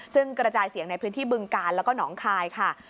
ซึ่งกระจายเสียงในพื้นที่บึงกาลแล้วก็หนองคายค่ะ